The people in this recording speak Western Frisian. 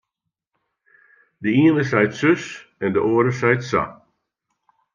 De iene seit sus en de oare seit sa.